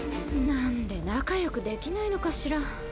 なんで仲よくできないのかしら？